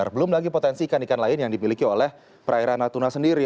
belum lagi potensi ikan ikan lain yang dimiliki oleh perairan natuna sendiri